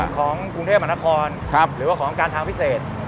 ของกรุงเทพมหานครหรือว่าของการทางพิเศษ